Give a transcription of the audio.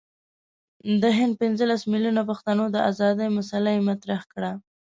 د هند پنځه لس میلیونه پښتنو د آزادی مسله یې مطرح کړه.